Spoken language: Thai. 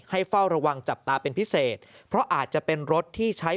เฝ้าระวังจับตาเป็นพิเศษเพราะอาจจะเป็นรถที่ใช้